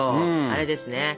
あれですね。